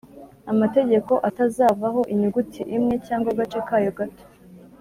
amategeko atazavaho inyuguti imwe cyangwa agace kayo gato